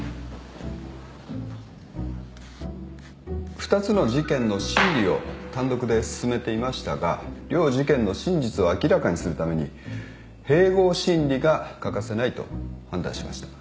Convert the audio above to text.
２つの事件の審理を単独で進めていましたが両事件の真実を明らかにするために併合審理が欠かせないと判断しました。